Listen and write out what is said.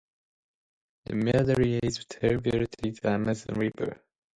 The Madeira is a tributary to the Amazon River.